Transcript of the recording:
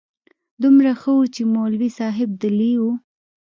دومره ښه و چې مولوي صاحب دلې و.